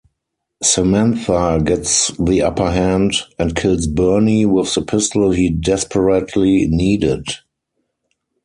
Samantha gets the upper hand and kills Bernie with the pistol he desperately needed.